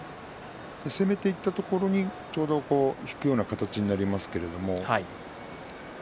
攻めていったところにちょうど引くような形になりますけれども。